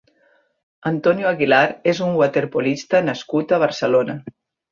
Antonio Aguilar és un waterpolista nascut a Barcelona.